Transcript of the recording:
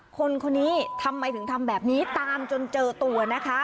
คนคนนี้ทำไมถึงทำแบบนี้ตามจนเจอตัวนะคะ